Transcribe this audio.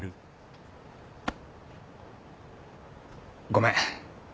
ごめん。